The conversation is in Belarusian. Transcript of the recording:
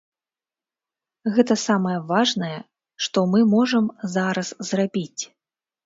Гэта самае важнае, што мы можам зараз зрабіць.